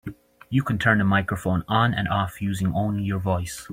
You can turn the microphone on and off using only your voice.